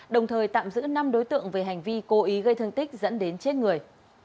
đồng thời tạm giữ năm đối tượng về hành vi cố ý gây thương tích dẫn đến chết người